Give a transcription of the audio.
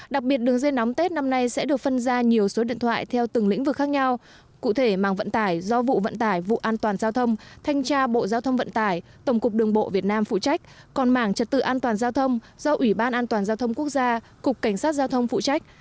đặc biệt đường dây nóng tết năm nay sẽ được phân ra nhiều số điện thoại theo từng lĩnh vực khác nhau cụ thể mảng vận tải do vụ vận tải vụ an toàn giao thông thanh tra bộ giao thông vận tải tổng cục đường bộ việt nam phụ trách còn mảng trật tự an toàn giao thông do ủy ban an toàn giao thông quốc gia cục cảnh sát giao thông phụ trách